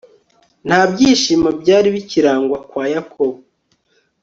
nta byishimo byari bikirangwa kwa yakobo